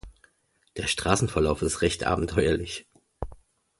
Der Straßenverlauf ist recht abenteuerlich.